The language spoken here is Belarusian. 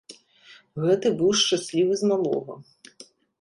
Гэты быў шчаслівы з малога.